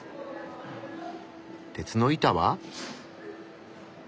鉄の板は？